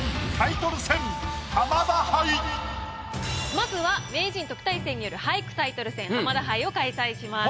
まずは名人特待生による俳句タイトル戦浜田杯を開催します。